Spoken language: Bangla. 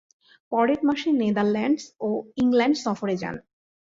পরের মাসে নেদারল্যান্ডস ও ইংল্যান্ড সফরে যান।